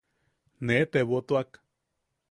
Nee tebotuak.